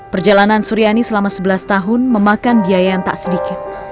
perjalanan suryani selama sebelas tahun memakan biaya yang tak sedikit